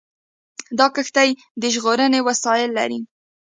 دا کښتۍ د ژغورنې وسایل لري.